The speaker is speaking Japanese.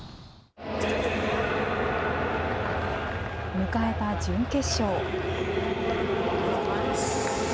迎えた準決勝。